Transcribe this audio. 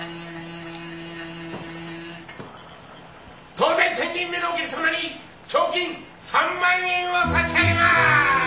当店１，０００人目のお客様に賞金３万円を差し上げます！